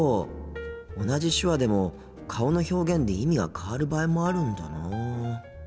同じ手話でも顔の表現で意味が変わる場合もあるんだなあ。